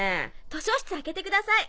図書室開けてください。